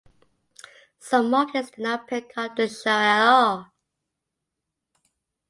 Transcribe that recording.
Some markets did not pick up the show at all.